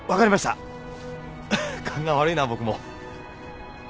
勘が悪いな僕も。